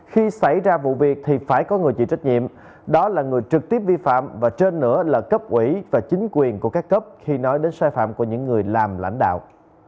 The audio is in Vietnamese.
khi xảy ra vụ việc thì phải có người chịu trách nhiệm đó là người trực tiếp vi phạm và trên nữa là cấp quỹ và chính quyền của các cấp khi nói đến sai phạm của những người làm lãnh đạo